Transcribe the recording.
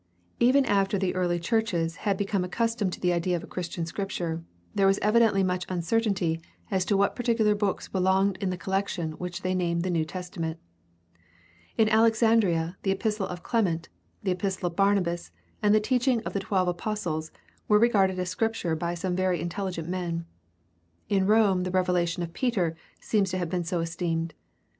— ^Even after the early churches had become accustomed to the idea of a Christian Scripture, there was evidently much uncertainty as to what particular books belonged in the collection which they named the New Testament. In Alexandria the Epistle of Clement, the Epistle of Barnabas, and the Teaching of the Twelve Apostles were regarded as Scripture by some very intelligent men. In Rome the Revelation of Peter seems to have been so esteemed.